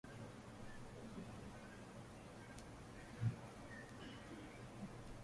— Sen meni o‘rislarga ushlab berding!